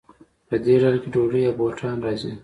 په دې ډله کې ډوډۍ او بوټان راځي.